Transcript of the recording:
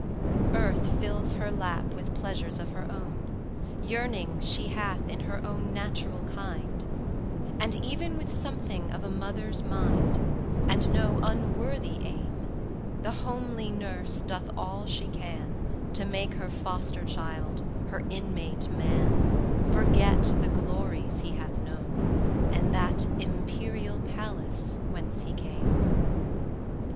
Earth fills her lap with pleasures of her own; Yearnings she hath in her own natural kind, And, even with something of a mother's mind, 80 And no unworthy aim, The homely nurse doth all she can To make her foster child, her Inmate Man, Forget the glories he hath known, And that imperial palace whence he came.